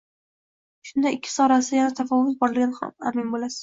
Shunda ikkisi orasida katta tafovut borligiga amin bo‘lasiz.